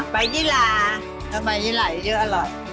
ใบยี่หล่าใบยี่หล่าย็อลอด